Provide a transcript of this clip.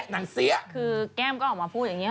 คือแก้มก็ออกมาพูดอย่างนี้หรอ